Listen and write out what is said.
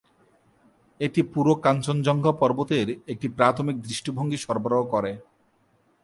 এটি পুরো কাঞ্চনজঙ্ঘা পর্বতের একটি প্রাথমিক দৃষ্টিভঙ্গি সরবরাহ করে।